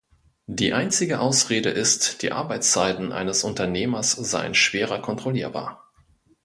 Die einzige Ausrede ist, die Arbeitszeiten eines Unternehmers seien schwerer kontrollierbar.